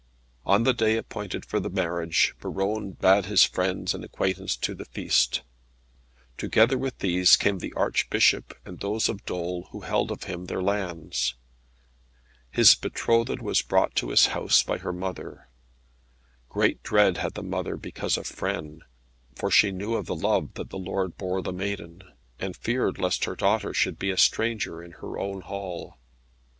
On the day appointed for the marriage, Buron bade his friends and acquaintance to the feast. Together with these came the Archbishop, and those of Dol who held of him their lands. His betrothed was brought to his home by her mother. Great dread had the mother because of Frêne, for she knew of the love that the lord bore the maiden, and feared lest her daughter should be a stranger in her own hall.